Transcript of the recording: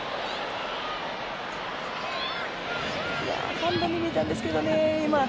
ハンドに見えたんですけどね、今。